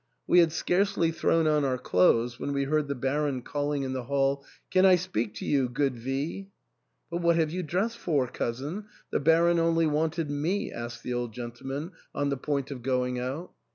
We had scarcely thrown on our clothes when we heard the Baron calling in the hall, "Can I speak to you, good V ?"" But what have you dressed for, cousin ? the Baron only wanted me," asked the old gentleman, on the point of going out.